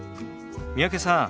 三宅さん